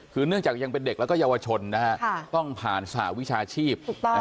คือเนื่องจากยังเป็นเด็กแล้วก็เยาวชนต้องผ่านสหวิชาชีพ